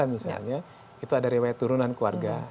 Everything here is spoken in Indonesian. misalnya itu ada riwayat turunan keluarga